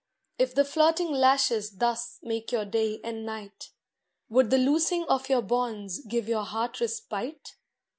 If the flirting lashes thus Make your day and night. Would the loosing of your bonds Give your heart respite